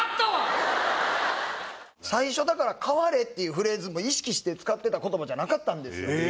最初だから「代われ！」っていうフレーズも意識して使ってた言葉じゃなかったんですよ。